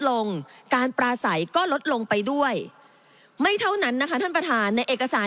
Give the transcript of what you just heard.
ลงการปลาใสก็ลดลงไปด้วยไม่เท่านั้นนะคะท่านประธานในเอกสาร